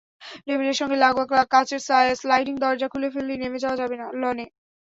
টেবিলের সঙ্গে লাগোয়া কাচের স্লাইডিং দরজা খুলে ফেললেই নেমে যাওয়া যাবে লনে।